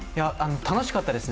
楽しかったですね。